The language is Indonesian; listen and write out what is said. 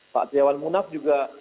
pak tiawan munaf juga